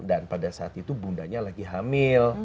dan pada saat itu bundanya lagi hamil